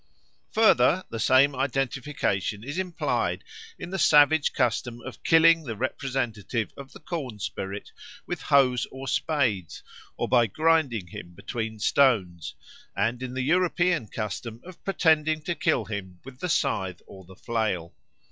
Further, the same identification is implied in the savage custom of killing the representative of the corn spirit with hoes or spades or by grinding him between stones, and in the European custom of pretending to kill him with the scythe or the flail.